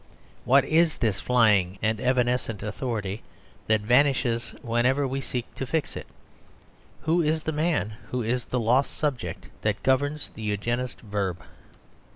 What is this flying and evanescent authority that vanishes wherever we seek to fix it? Who is the man who is the lost subject that governs the Eugenist's verb?